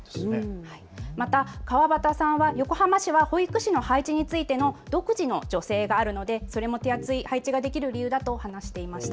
また川端さんは横浜市は保育士の配置についての独自の助成があるのでそれも手厚い配置ができる理由だと話していました。